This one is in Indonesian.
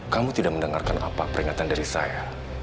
kamu tidak mendengarkan apa peringatan dari saya